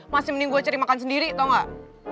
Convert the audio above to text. masih mending gue cari makan sendiri tau gak